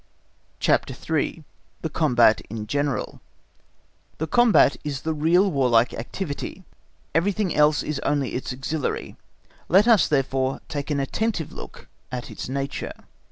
CHAPTER III. The Combat in General The Combat is the real warlike activity, everything else is only its auxiliary; let us therefore take an attentive look at its nature.